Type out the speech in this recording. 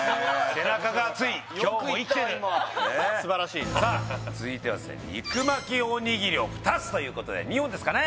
背中が熱い今日も生きてるねさあ続いてはですね肉巻きおにぎりを２つということで２本ですかね